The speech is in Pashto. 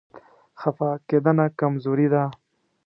خفه کېدنه کمزوري ده.